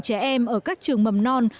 trẻ em ở các trường mầm non